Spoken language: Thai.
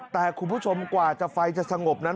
แต่คุณผู้ชมกว่าจะไฟจะสงบนั้น